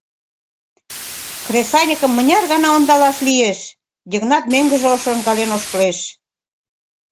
Кресаньыкым мыняр гана ондалаш лиеш?» — Йыгнат мӧҥгыжӧ шонкален ошкылеш.